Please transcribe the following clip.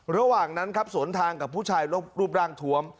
ระหว่างนั้นครับสวนทางกับผู้ชายรูปร่างทวม